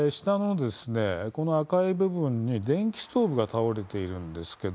この赤い丸のところに電気ストーブが倒れています。